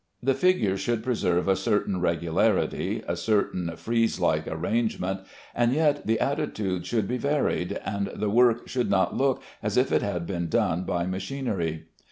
The figures should preserve a certain regularity, a certain frieze like arrangement, and yet the attitudes should be varied, and the work should not look as if it had been done by machinery.